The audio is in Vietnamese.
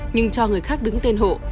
nhưng cho người khác đứng tên hộ